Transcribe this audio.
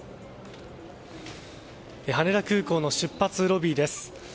羽田空港の出発ロビーです。